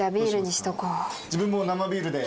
自分も生ビールで。